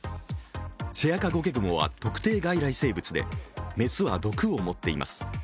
セアカゴケグモは特定外来生物で雌は毒を持っています。